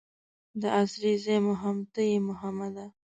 د اسرې ځای مو هم ته یې محمده.